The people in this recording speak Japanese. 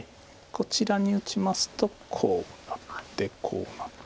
こちらに打ちますとこうなってこうなる。